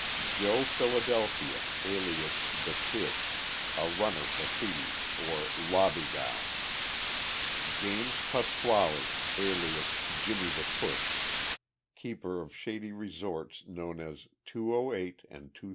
JOE PHILADELPHIA, alias "The Kid," a runner for thieves, or "lobbygow." JAMES PASQUALE, alias "Jimmy the Push," keeper of shady resorts known as "208" and "233."